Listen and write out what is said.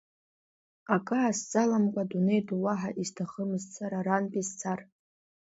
Акы аасзаламкәа адунеи ду уаҳа, исҭахымызт сара арантәи сцар.